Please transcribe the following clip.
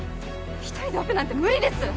１人でオペなんて無理です